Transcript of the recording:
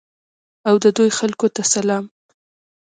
او د دوی خلکو ته سلام.